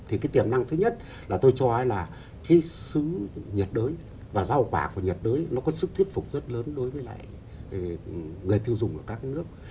thì cái tiềm năng thứ nhất là tôi cho là khi xứ nhật đới và rau quả của nhật đới nó có sức thuyết phục rất lớn đối với lại người thư dùng ở các nước